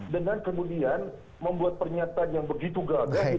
dengan kemudian membuat pernyataan yang begitu gagah